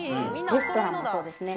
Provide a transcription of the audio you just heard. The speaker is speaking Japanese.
レストランもそうですね。